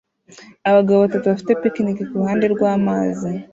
Abagabo batatu bafite picnic kuruhande rwamazi